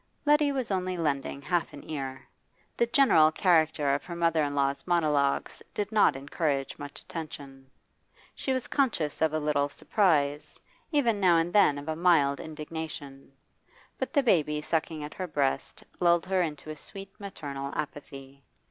Letty was only lending half an ear. The general character of her mother in law's monologues did not encourage much attention. She was conscious of a little surprise, even now and then of a mild indignation; but the baby sucking at her breast lulled her into a sweet maternal apathy.